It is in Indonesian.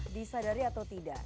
disadari atau tidak